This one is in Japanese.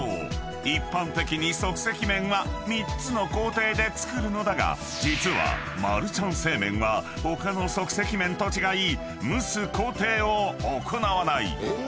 一般的に即席麺は３つの工程で作るのだが実はマルちゃん正麺は他の即席麺と違い蒸す工程を行わない］